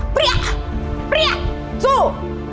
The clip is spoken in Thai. ปรี๊ะปรี๊ะสู้